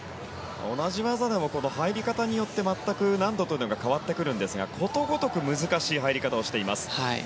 同じ技でも入り方によって全く難度というのが変わってくるんですがことごとく難しい入り方をしています。